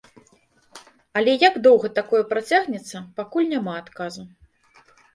Але як доўга такое працягнецца, пакуль няма адказу.